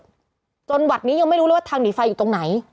ประสบการณ์บัดนี้ยังไม่รู้เลยว่าทางหนีไฟอยู่ตรงไหน